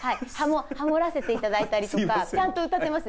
ハモらせていただいたりとかちゃんと歌ってます。